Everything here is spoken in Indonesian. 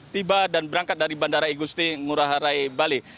tiba dan berangkat dari bandara igusti ngurah rai bali